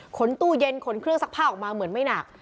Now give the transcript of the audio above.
ตู้เย็นขนเครื่องซักผ้าออกมาเหมือนไม่หนัก